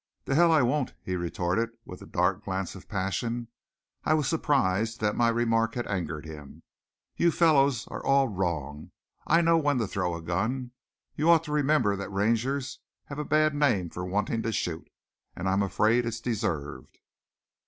"The hell I won't," he retorted, with a dark glance of passion. I was surprised that my remark had angered him. "You fellows are all wrong. I know when to throw a gun. You ought to remember that Rangers have a bad name for wanting to shoot. And I'm afraid it's deserved."